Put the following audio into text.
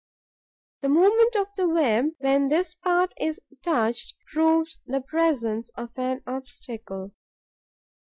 The movement of the web, when this part is touched, proves the presence of an obstacle.